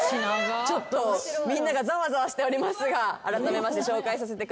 ちょっとみんながざわざわしておりますがあらためまして紹介させてください。